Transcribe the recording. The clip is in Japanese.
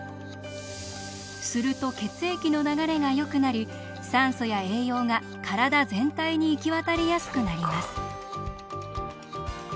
すると血液の流れがよくなり酸素や栄養が体全体に行き渡りやすくなります。